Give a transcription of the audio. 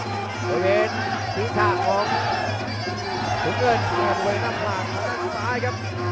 ต้องเลือกเลยครับโอเคทิ้งท่าของถุงเงินทางด้วยน้ำหลังต้องเลือกซ้ายครับ